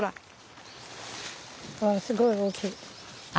うわすごい大きい。